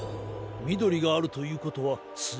みどりがあるということはす